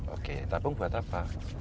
oke tabung buat apa